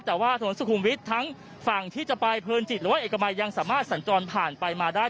แต่ว่าถนนสุขุมวิทย์ทั้งฝั่งที่จะไปเพลินจิตหรือว่าเอกมัยยังสามารถสัญจรผ่านไปมาได้